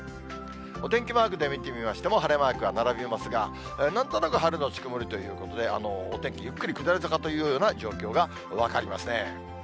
お天気マークで見てみましても、晴れマークが並びますが、なんとなく晴れ後曇りということで、お天気、ゆっくり下り坂というような状況が分かりますね。